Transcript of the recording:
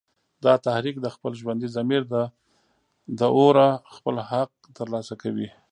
دا تحریک د خپل ژوندي ضمیر د اوره خپل حق تر لاسه کوي